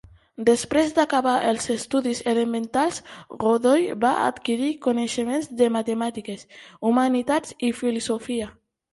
Després d'acabar els estudis elementals, Godoy va adquirir coneixements de matemàtiques, humanitats i filosofia.